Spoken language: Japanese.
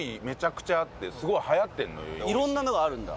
いろんなのがあるんだ？